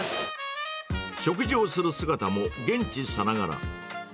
食事をする姿も現地さながら。